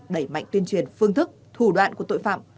đẩy mạnh tuyên truyền phương thức thủ đoạn của tội phạm